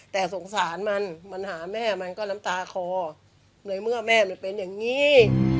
แต่สงสารมันมันหาแม่มันก็น้ำตาคอในเมื่อแม่มันเป็นอย่างนี้